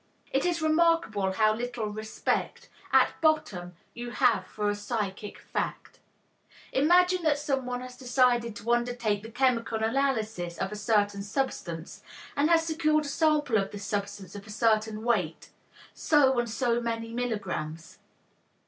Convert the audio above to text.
It is remarkable how little respect, at bottom, you have for a psychic fact! Imagine that someone has decided to undertake the chemical analysis of a certain substance, and has secured a sample of the substance, of a certain weight so and so many milligrams.